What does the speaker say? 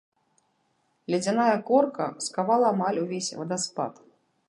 Ледзяная корка скавала амаль увесь вадаспад.